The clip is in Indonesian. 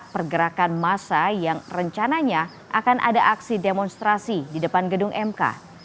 pergerakan masa yang rencananya akan ada aksi demonstrasi di depan gedung mk